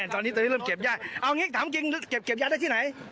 ตอนนี้ตอนนี้เริ่มเก็บยากเอางี้ถามจริงเก็บยาได้ที่ไหน